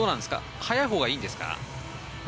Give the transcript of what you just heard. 速いほうがいいんですか？